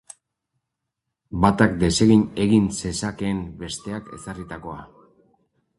Batak desegin egin zezakeen besteak ezarritakoa.